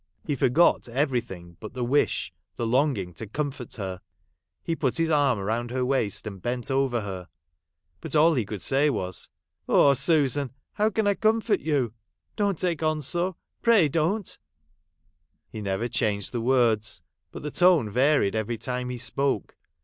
He forgot everything but the wish, the long ing to comfort her. He put his arm round her waist, and bent over her. But all he could say, was, ' Oh, Susan, how can I comfort you ! Don't take on so, — pray don't !' He never changed the words, but the tone varied every time he spoke.